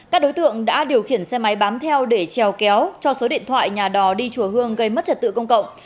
các đối tượng đã điều khiển xe máy bám theo để trèo kéo cho số điện thoại nhà đò đi chùa hương gây mất trật tự công cộng